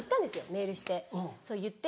メールしてそう言って。